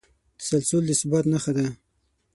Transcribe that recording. تسلسل د ثبات نښه ده.